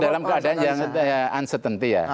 dalam keadaan yang uncertainty ya